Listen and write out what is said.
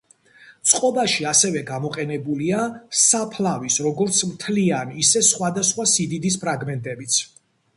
წყობაში ასევე გამოყენებულია საფლავის როგორც მთლიანი ისე სხვადასხვა სიდიდის ფრაგმენტებიც.